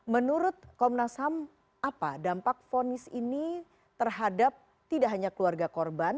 menurut komnas ham apa dampak fonis ini terhadap tidak hanya keluarga korban